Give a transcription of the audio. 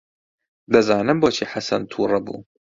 دەزانم بۆچی حەسەن تووڕە بوو.